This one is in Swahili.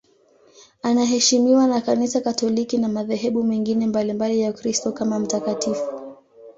Anaheshimiwa na Kanisa Katoliki na madhehebu mengine mbalimbali ya Ukristo kama mtakatifu.